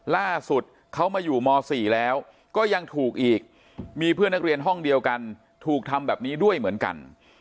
ล่าสุดเขามาอยู่ม๔แล้วก็ยังถูกอีกมีเพื่อนนักเรียนห้องเดียวกันถูกทำแบบนี้ด้วยเหมือนกัน